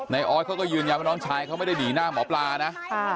ออสเขาก็ยืนยันว่าน้องชายเขาไม่ได้หนีหน้าหมอปลานะ